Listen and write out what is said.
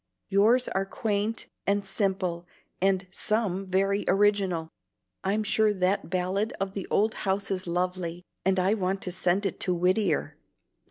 Yours are quaint and simple and some very original. I'm sure that ballad of the old house is lovely, and I want to send it to Whittier.